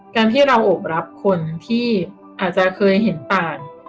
การที่เราโอบรับคนที่อาจจะเคยเห็นป่าน